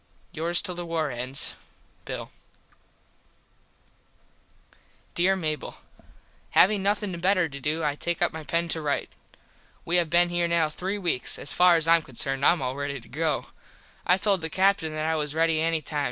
Yours till the war ends Bill Dere Mable: Having nothin better to do I take up my pen to rite. We have been here now three weeks. As far as I am concerned I am all ready to go. I told the Captin that I was ready any time.